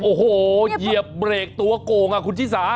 โอ้โหเหยียบเบรกตัวโก่งอ่ะคุณชิสา